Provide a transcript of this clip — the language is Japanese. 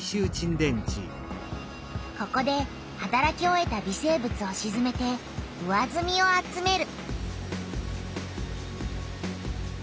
ここではたらき終えた微生物をしずめて上ずみを集める。